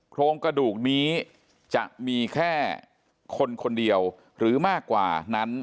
โครงกระดูกนี้จะมีแค่คนคนเดียวหรือมากกว่านั้น